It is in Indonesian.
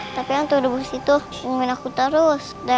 tapi hantu debus itu ngelakuin aku terus